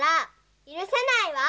ゆるせないわ！